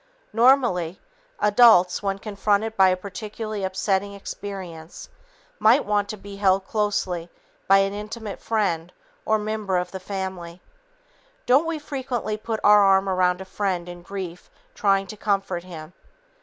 Normally, adults, when confronted by a particularly upsetting experience, might want to be held closely by an intimate friend or member of the family. Don't we frequently put our arm around a friend in grief trying to comfort him?